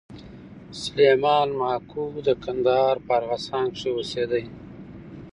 سلېمان ماکو د کندهار په ارغسان کښي اوسېدئ.